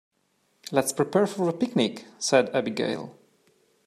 "Let's prepare for the picnic!", said Abigail.